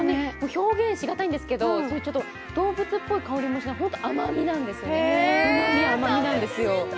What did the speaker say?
表現しがたいんですけど、動物っぽい香りもしなくて、本当、甘み、うまみなんですよ。